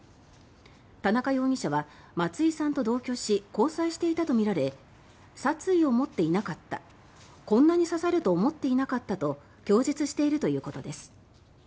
田中容疑者は松井さんと同居し交際していたとみられ殺意を持っていなかったこんなに刺さると思っていなかったと供述しているということです。